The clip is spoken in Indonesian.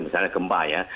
misalnya gempa ya